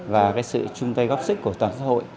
và sự chung tay góp sức của toàn xã hội